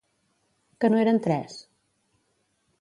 Que no eren tres?